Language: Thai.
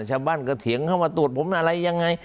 ชาวบ้านก็เถียงเข้ามาตรวจผมอะไรยังไง